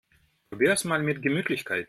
Probier's mal mit Gemütlichkeit!